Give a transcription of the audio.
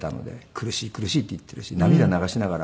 「苦しい苦しい」って言っているし涙流しながら。